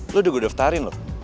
lo udah gue daftarin loh